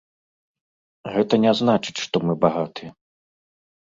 Гэта не значыць, што мы багатыя.